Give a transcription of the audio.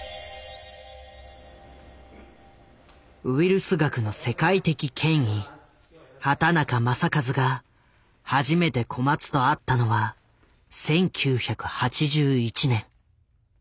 ウイルス学の世界的権威畑中正一が初めて小松と会ったのは１９８１年。